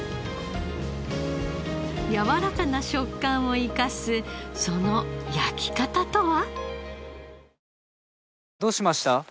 やわらかな食感を生かすその焼き方とは？